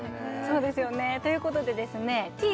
そうですよねということでですねてぃ